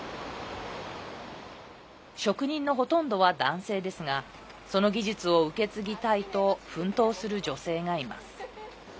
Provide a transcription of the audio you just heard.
職人のほとんどは男性ですがその技術を受け継ぎたいと奮闘する女性がいます。